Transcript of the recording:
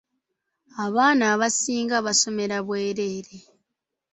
Abaana abasinga basomera bwereere.